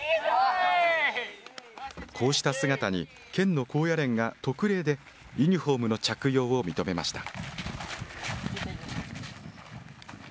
こうした姿に、県の高野連が特例で、ユニホームの着用を認めました。